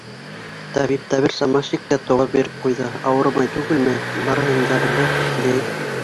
Табипта бер сама шик тә тыуа биреп ҡуйҙы, ауырымай түгелме, барыһын да белә, иҫләй.